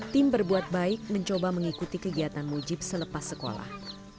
tim berbuat baik mencoba mengikuti kegiatan mujib selepas sekolah